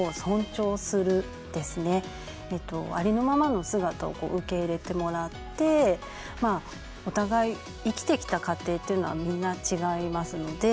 ありのままの姿を受け入れてもらってお互い生きてきた過程というのはみんな違いますので。